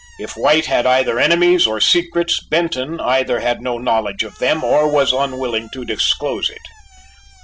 If White had either enemies or secrets Benton either had no knowledge of them or was unwilling to disclose it.